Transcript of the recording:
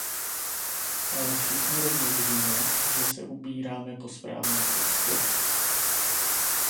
Ale všichni rovněž víme, že se ubíráme po správné cestě.